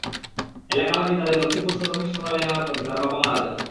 এলাকাবাসী তাঁদের লক্ষ্মীপুর সদর হাসপাতালে নেওয়ার পথে তাঁর বাবা মারা যান।